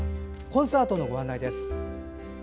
コンサートのご案内です。